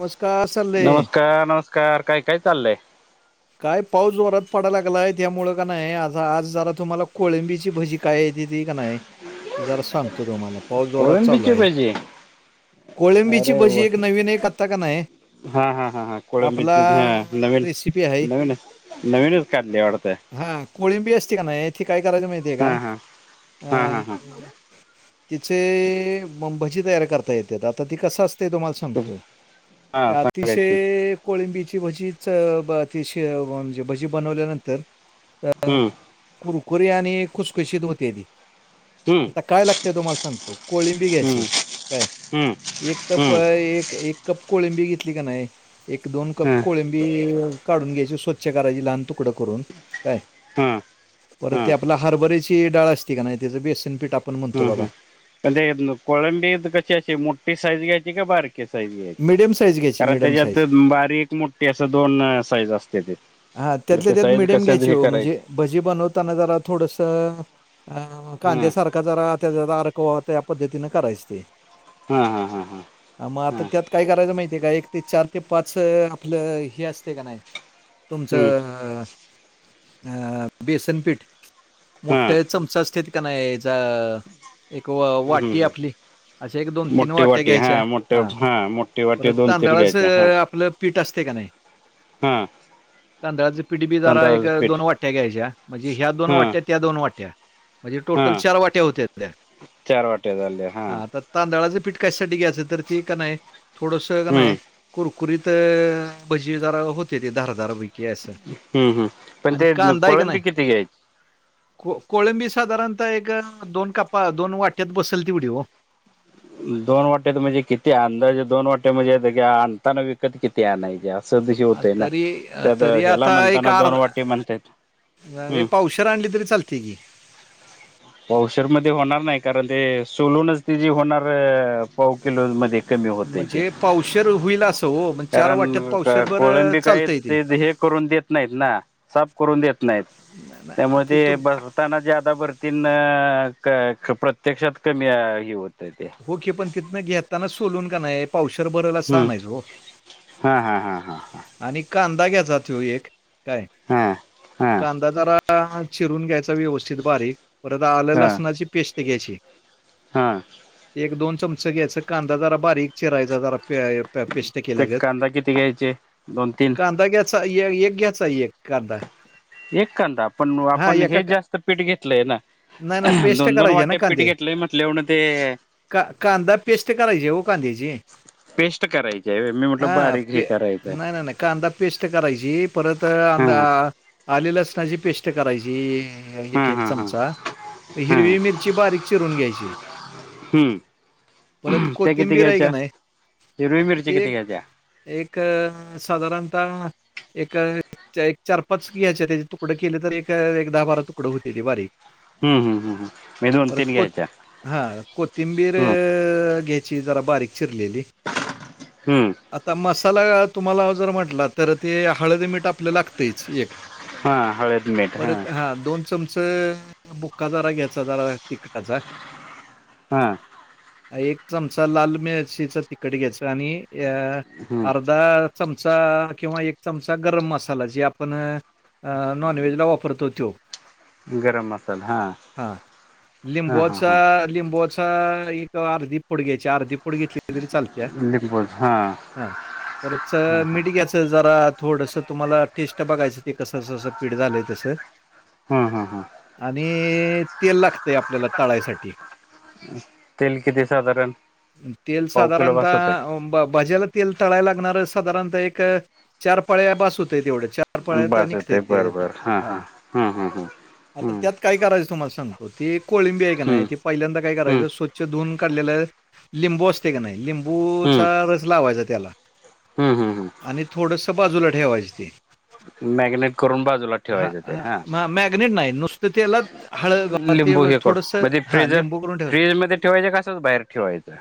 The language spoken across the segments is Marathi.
मोस्खास. नमस्कार, नमस्कार. काय, काय, चाललंय? काय, पाऊस जोरात पडा लागलाय. त्यामुळं का नाही. आता, आज जरा तुम्हाला, कोळंबीची भजी काय ती का नाही. जरा सांगतो तुम्हाला. पाऊस जोरात कोळंबीची चालूयाय. पाहिजे कोळंबीची भजी एक नवीन एक आत्ता कनाय हा, हा, हा, हा. कोळंबीची ह नवीन, रेसिपी आहे नवीन, नवीनच काढलीय वाटतं. हा, कोळिंबी असते का नाही? ती काय करायच माहितीय का? हां हां हां आं हां हां तिचे मं भजी तयार करता येतात. आता ती कस असतय. तुम्हाला सांग गतो. हां सांगायची अतिशय कोळिंबीची भजी, च ब तीशी म्हणजे भजी बनवल्यानंतर हं, कुरकुरी आणि खुसखुशीत होत्या ती. हं, आता काय लागतय, तुम्हाला सांगतो. कोळिंबी हं, घ्यायची. काय हं, हं, एक तप, एक- एक कप कोळिंबी घेतली का नाही. एक - दोन कप हं, कोळिंबी काढून घ्यायची. स्वच्छ करायची. लहान तुकड करून. काय? हं, परत हं, ते आपला हारबरीची डाळ असती का नाही, त्याचं बेसन पीट आप ह, ह. पण ते कोळंबीत कशी अशी, मोठी साईज घ्यायची का बारी साईज घ्यायची. मिडियम साईज घ्यायची कारण मिडियम त्याच्यात, साईज बारीक- मोठठी असं दोन साईज असत्याती. हा, त्यातले त्यात, मिडियम घ्यायची हो. म्हणजे भजी बनवताना जरा थोडसं, अ हां कांद्यासारखं जरा त्याज्यात अर्क व्हावा त्या पद्धतीने करायच ते. हम् हम हम हं. मग आता त्यात काय करायचं माहितीय का एक ते चार ते पाच आपलं हे असते का नाही. हम्म, तुमचं बेसनपीठ. हा मोठ चमचा असतेेत का नाही ज एक हम्म, वाटी हम्म. आपली.. एक दोन तीन मोठी वाट्या वाटी हा घ्यायच्या मोठे हा मोठी वाटी परत दोन तांदळाच आपलं पीठ असते का नाही. हम्म. तांदळाच पिठ बी जरा एक दोन वाट्या घ्यायच्या म्हणजे ह्या दोन हा वाट्या त्या दोन वाट्या. म्हणजे हा टोटल चार वाट्या होत्या त्या चार वाट्या झाल्या हा आता. तांदळाचं पीठ कशसाठी घ्यायचं तर ते का नाही थोडस का हम्म नाहीय. कुरकुरीत भजी जरा होते ते दार दजारै सर हम्म हम्म पण आणि ते का अंदाय का कोळंबी नाही. किती घ्यायची को कोळंबी साधारणतः एक दोन कापा दोन वाट्यात बसेल तवडीओ. दोन वाटेेत म्हणजे किती अंदाजे दोन वाटे म्हणजे आणताना विकत किती आहे नाहीे. सध हा, होते ना तरी त्या तरी ह्याला म्हणताना दोन वाटी म्हणताय. पावशेअर आणली तरी चालते की. वॉशर मध्ये होणार नाही कारण ते सोलूनच ती ज होणार. पाव किलो मध्ये. कमी होत ते म्हणजे पावशर होईल असं हो म्हणजे चार वाट्यात कारण पावशर बर कोळंबी काय चालतंय ते हे करून देत. नाहीत ना साप करून देत नाहीत नाही, नाही, त्यामुळे ते तुम ब असताना ज्यादा भरतीन प्रत्यक्षात कमी ह होत ते ओके पण तिथनं घेताना सोलून का नाही पावसर भरय सहान आहेच हो. हा हा हा हा हा. आणि कांदा घ्यायचा तो एक काय हां हां कांदा. आ जरा चिरून घ्यायचा व्यवस्थित बारीक परत आले लसणाची पेस्ट घ्यायची. हा एक दोन चमच घ्यायच कांदा जरा बारीक चिरायचा जरा पेस्ट केल्या गेत. या किती घ्यायचे. दोन तीन. कांा घ्यायचा एक घ्यायचा एक करदा एक कांदाा पण आपण हे जास्त पीठ घेतलंय ना. नाही नाही पेस्ट दोन दोन करायची आहे ना वाटे पीठ कांदे घेतलंय म्हटलेवढं ते. का कदा पेस्ट करायचीेओ कांदी जी. पेस्ट करायची मी म्हटलं बारीकशी पे कराय. नाही नाही नाही का अदाा पेस्ट करायची परत हां आले लसणाची पेस्ट करायची. हां एक एक हां हां चमचा हां हिरवी मिरची बारीक चिरून घ्यायची. हम्म परत त्या किती कोथिंबीर आहे का घ्यायच्या नाही हिरवी मिरची ते किती घ्यायच्या एक साधारणतः एक एक चार पाच या्यायच्या त्याचे तुकडं केले तर एक एक दहा बारा तुकडं होते ते बारीक. हम् हम्म हम मेझुण तिन घ्ायचाय. हा कोथिंबीर घ्यायची जरा बारीक चिरलेली. हम्म आता मसाला तुम्हाला जर म्हटला तर ते हळदी मीठ आपले लागतेच एक हा हळद मीठ परत हा दोन. चमच मुक्काा जराा घ्यायचा जराा तिखटाचा. हां. एक चमचा लाल मिरचीचं तिकड घ्यायच आणि अ हम्म अर्धा चमचा किंवा एक चमचा गरम मसाला जे आपण अ नॉनव्हेजला वापरतो त्यो. गरम मसाला हा हा हा हा लिंबोचा हा लिंबोचा त एक अर्धी पुड घ्यायची अर्धी पुड घेतली [unintelligible] हा. हा परच मिठ घ्याच ते जरा थोडस तुम्हाला टेस्ट बघायचं ते कससस पीठ झालंय तसं. हां हां हा. आणि तेल लागतंय आपल्याला ताळायसाठी. तेल किती साधारण तेल पाव किलो बस होते साधारणतः भ भज्याला तेल तळाला लागणार साधारणतः एक चार पास होतय तेवढ चा र पाळ्यात बस निघतय होते ते बर बर हा हा हा हा आता हम्म त्यात काय करायचं तुम्हाला सांगतो ते कोळिंबी हाय क हम्म नाही ती पहिल्यांदा काय हम्म हम्म करायचं स्व च धुवून काढलेल लिंबू असते का नाही लिंबूचा हम्म रस लावायचा. त्याला हम्म आणि थोडसं बाजूला ठेवायचं ते. हम्म मॅग्नेट करून बाजूला हा ठेवायचं ते ह मॅगनेट नाही नुसत तेलात हळगव ते लिंबू हे करून थोडसं म्हणजे हा फ्रीजर लिंबू करून ठेवा. फ्रीज मध्ये ठेवायचं कसंच बाहेर ठेवायचं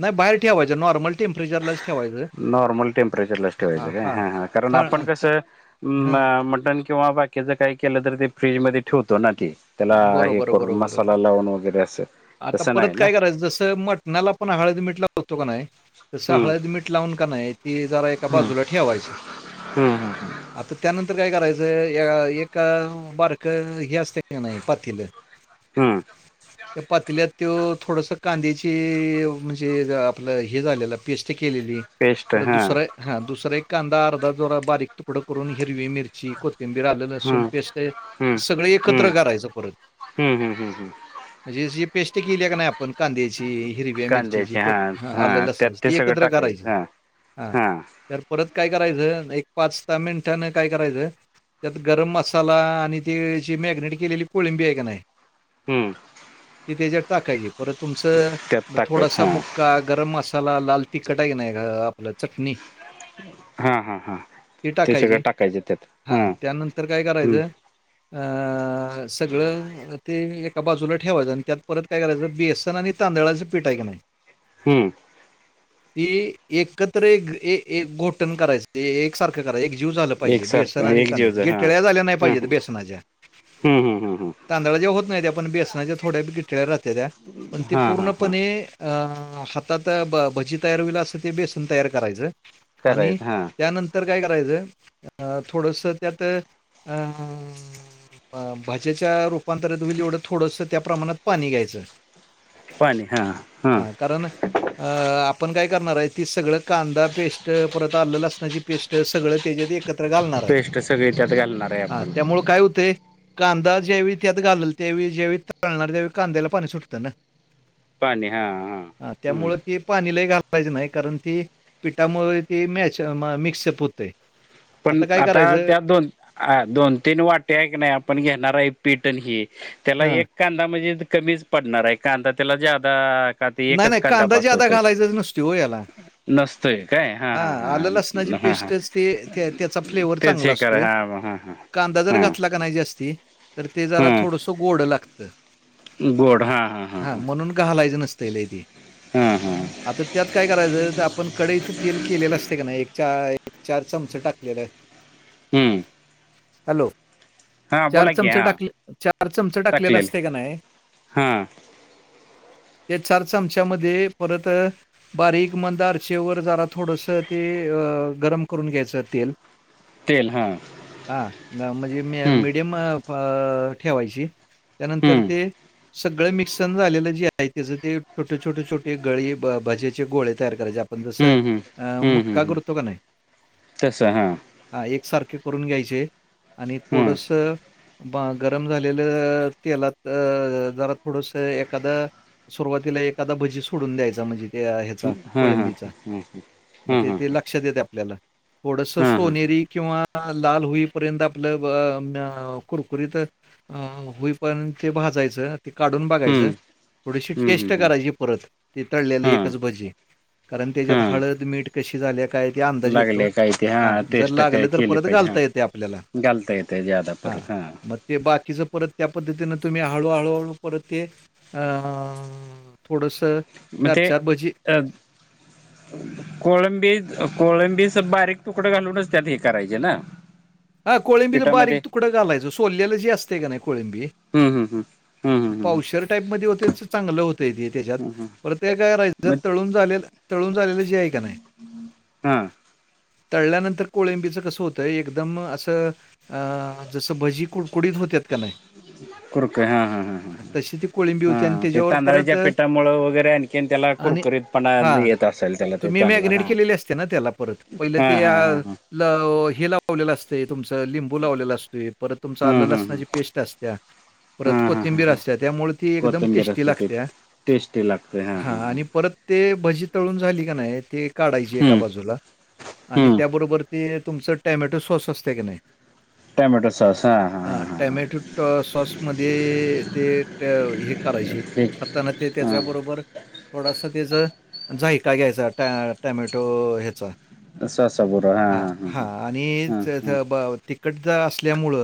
नाही बाहेर ठेवायं नॉर्मल टेम्परेचरलाच. ठेवायचं नॉर्मल टेम्परेचरलाच ठेवायचं हां, काय हां. हा हा कारण थळ आपण कसं म हां. मटन किंवा बाकीच काही केलं तर ते फ्रीज मध्ये ठेवतो ना ते. तेला हे बरोबर, करून बरोबर, मसाला बरोबर. लावून वगैरे असं आता तसं परत नाही ना? काय जसं मट णाला आपण हळद, मिट लावतो क नाय तसं हम्म हळद, मीठ लावून क नाय ते जरा एका बाजूला ठेवायचं. हम्म हम्म आता त्यानंतर काय करायचं एक बारकं हे असतय क नाय पातेलं हम्म. त्या पातल्यात त्यो थोडस कांद्याची म्हणजे आपलं हे झालेलं. पेस्ट केलेली पेस्ट परत हां दुसरा हा दुसरा एक कांदा अर्धा जोरा बारीक तुकडं करून हिरवी मिरची. कोथिंबीर, आल्लं, लसून हम्म पेस्ट हम्म सगळं एकत्र हम्म कारयचं परत. हम्म हम्म हम्म हम्म म्हणजे जशी पेस्ट केलीया कनाय आपण कांद्याची हिरवी व्या मिरचीची कांद्याचे कोत हां हा आल्लं, हां लसची त्यात ते ती सगळं एकत्र करायची टाकायचं हां हा हां तर परत काय करायचं एक पाच दहा मिनटानं काय करायचं त्यात गरम मसाला आणि ते जी मॅग्नेट केलेली कोळिंबी आहे कनाय हम्म. ते तेज्यात टाकायची परत तुमचं त्यात टाकायचं थोडासा हां बुक्क का गरम मसाला, लाल तिखट हाय कनाय आपलं चटणी. हां हां हां ती ते सगळं टाकायची टाकायचं त्यात हां हा त्यानंतर काय हम्म करायचं अं सगळं. अ ते एका बाजूला ठेवायचं आणि त्यात परत काय करायचं बेसन आणि तांदळाचं पीठ आहे कनाय हम्म. ते एकत्र एक एक घोटण करायच एक सारखं करायचं. जीव झालं पाहिजे, बेसन एकसारखं आणि एक तांदूळ जीवज हां गीटळ्या झाल्या नाही हम्म हम्म पाहिजेत बेसनाच्या. हम्म हम् हम्म हम्. तांदळाच्या होत नाहीत्या पण बेसनाच्या थोड्या गिटळ्या राहत्या त्या पण ते हां हां हां पूर्णपणे अ हातात भ भजी तयार होईल असं ते बेसन तयार करायचं. आणि करायचं हां त्यानंत तर काय करायचं थोडसं त्यात अ अ भज्याच्या रूपांतरीत होईल एवढं थोडंस त्या प्रमाणात पाणी घ्यायचं. पाणी हा हा. हां कारण अ आपण काय करणार आहे, ते सगळं कांदा पेस्ट परत आल्लं, लसणाची पेस्ट सगळं त्याच्यात एक एकत्र घालणार हाय पेस्ट सगळी त्यात घालणार आहे हा आपण त्यामुळं काय होतंय कांदा ज्यावेळी त्यात घाललं त्यावेळी ज्यावेळी ताळणार त्यावेळी कांद्याला पाणी सुटतं ना? पाणी हां हां हा हम्म त्यामुळं ते पाणी लय घालायचं नाही कारण ते पिठामुळ ते मॅच मिक्सअप होतंय. पण काय आता करायचं त्या दोन आ दोन तीन वाट्या हाय कणी आपण घेणार आहे पिट अन हे त्याला हां. एक कांदा म्हणजे कमीच पडणार आहे कांदा त्याला ज्यादा का ते नाही, एकच नाही कांदा बास ज्यादा होतंय घालायचाच नसतो हो याला. नसतय काय हा हा हां, हा आलं लसणाची पेस्टचं ते त्याचा फ्लेवर तेच चांगला हे असतोय. करा हां हां हां कांदा जर हां घातला घातला कणी जास्ती तर ते जरा हां थोडसं गोड लागतं. गोड हा हां हां हां घालायचं नसतय लय ते हां हां आता त्यात काय करायचं तर आपण कढईत तेल केलेलं असतयं कणे एक चार एक चार चमच टाकलेलं [inaudible] हम्म. हॅलो हां चार बोला की चमच हां टाकलं चार चमच टाकलेल टाकलेले असतयं कणेय हां. ते चार चमच्यामध्ये परत बारीक मंद अरचेवर जरा थोडसं ते गरम करून घ्यायचं तेल तेल हां [inaudible] हा म्हणजे मे मी हम्म मडियम म प ठेवायची. त्यानंतर हम्म ते सगळं मिक्सन झालेलं जे आहेत. तेज ते छोटे छोटे छोटे गळी भ भाज्याचे गोळे तयार करायचे आप आपण जसं हम्म हम्म अं हम्म हम्म मुटका हम्म करतो का नाही तसं हां हा एकसारखे करून घ्यायचे आणि हं थोडंसं ब गरम झालेलं तेलात जरा थोडस एखादं सुरुवातीला एखादा भजी सोडून द्यायचा म्हणजे त्या ह्याचा हां हां कोळंबीचा मग हां ते हां ते लक्षात येतय आपल्याला. थोडंस हां हां सोनेरी किंवा लाल होईपर्यंत आपलं व अ म्या कुरकुरीत अ होई पर्यंत ते भाजयचं ते काढून बघायचं हम्म थोडीशी हम्म टेस्ट हम्म हम्म करायची. ते परत ते तळलेल हां एकच भजी कारण तेज्यात हां हळद मीठ कशी झाल्या काय ते अंदाज येतो. लागले काय ते हा हां, जर टेस्ट काय लागलं तर केले परत पाहिजे हा घालता येते आपल्याला. घालता येत. ते जादा हां, परत हा. मग ते बाकीचं परत त्या पद्धतीनं तुम्ही हळू हळू हळू परत ते अ थोडस मग चार ते चार भजी [unintelligible] कोळंबी कोळंबीच बारीक तुकड घालूनच त्यात हे करायचे ना. हा कोळिंबीच बारीक पिठामध्ये तुकड घालायच सोललेल जी असते का नाही कोळंबी. हम्म हम्म हम्म हम्म हम्म हम्म हम्म चांगल होत ते त्याच्यात परत त्या मग तळून झालेल तळून झालेल नाही हां तळल्यानंतर कोळंबीच कस होत एकदम अस अ जस भजी कुडकुडीत होत का नाही कुरकय हां हां हां हां तशी ती कोळिंबी होते. आणि हा ते त्याच्यावर परत तांदळाच्या पिठामुळं वगैरे आणखीन त्याला आणि कुरकुरीतपणा हा येत असेल त्याला ते तुम्ही चांगलं मॅग्नेट हां केलेले असते ना त्याला परत. पहिल हां ते हां हां आपल हिला लावलेला असत तुमच लिंबू लावलेला असतोय परत तुमच हां हां आलं हां हां लसणाची पेस्ट असत्या. परत हां हां हां कोथिंबीर हां असत्या त्यामुळे ती एकदम कोथिंबीर टेस्टी असते ते लागत्या. टेस्टी लागते हा हां हा ह आणि परत ते भजी तळून झाली का नाही ते काढायची एका हां बाजूला. आणि त्याबरोबर ते तुमच टॅमॅटो सॉस असत की नाही टमॅटो साॉस हा हा हा हां हा टॅमॅटो सॉसमध्ये ते हे करायचे ठीक खाताना ते हां त्याच्याबरोबर थोडास त्याचा जायका घ्यायचा टा टमॅटो ह्याचा अस अस गुरु हा हां, हा हा हां हा आणि त्याच ब तिकटचा असल्यामुळ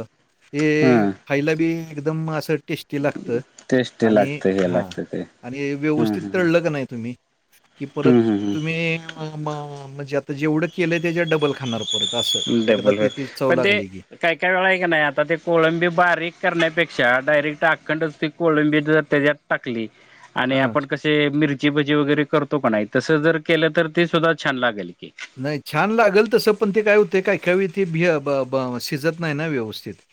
हां हे हां खायला बी एकदम अस टेस्टी लागत. टेस्टी आणि लागते हे हा लागते ते आणि हां व्यवस्थित हां हां तळल का नाही तुम्ही की परत हम्म हम्म तुम्ही म्हणजे आता जेवढ केल त्याच्या डबल खाल. परत अस एकदा ती ती चव लागली की काही काही वेळा आहे का नाही, आता ते कोळंबी बारीक करण्यापेक्षा डायरेक्ट अखंड ती कोळंबी जर त्याच्यात टाकली आणि हां. आपण कसे मिरची भजी वगैरे करतो का नाही, तस जर केल तर ते सुद्धा छान लागेल की. नाही छान लागल तस पण ते काय होते काय काही काही वेळा ते भे ब ब शिजत नाही ना व्यवस्थित. [inaudible]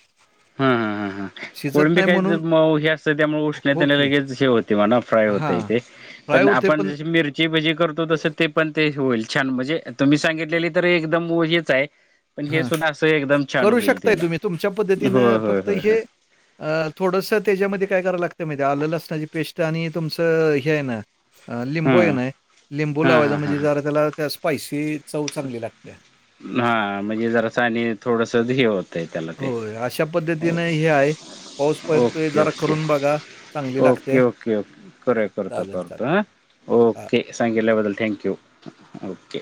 ह ह ह ह शिजत कोळंबी नाही काही म्हणून मऊ असते त्यामुळे हो उष्णतेने की. लगेच हे होते म्हणा फ्राय होतय हां, ते. फ्राय पण होते आपण जशी मिरची भजी करतो तस ते पण ते हे होईल छान. म्हणजे तुम्ही सांगितलेली तर एकदम हेच आहे. पण हे हां, सुद्धा अस एकदम छान करू होईल शकताय त्याला. तुम्ही तुमच्या पद्धतिन होय होय फक्त होय होय हे अ थोडस त्याच्यामध्ये काय कराव लागत माहीत आहे आलं लसणाची पेस्ट आणि तुमचं हे आहे ना अ लिंबू आहे हां ना लिंबू हां लावायचा. हां हां म्हणजे हां जरा त्याला त्या स्पायसी चव चांगली लागते. हा म्हणजे जरासा आणि थोडस हे होत हो अशा पद्धतीने हे आहे. पाऊस पडतोय ओके ओके जरा करून बघा चांगली ओके ओके लागते. ओके करूया करतो चालेल, चालेल. करतो ह हां. ओके सांगितल्या बद्दल थँक्यू ओके.